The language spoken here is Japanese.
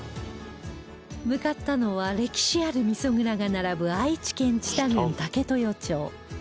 向かったのは歴史ある味噌蔵が並ぶ愛知県知多郡武豊町